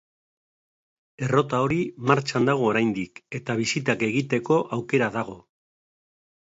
Errota hori martxan dago oraindik eta bisitak egiteko aukera dago.